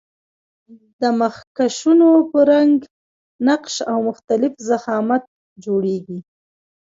دا مخکشونه په رنګ، نقش او مختلف ضخامت جوړیږي.